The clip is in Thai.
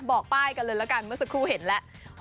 บอกป้ายกันเลยละกันเมื่อสักครู่เห็นแล้ว